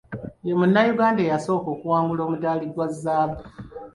Ye Munnayuganda eyasooka okuwangula omudaali gwa zzaabu.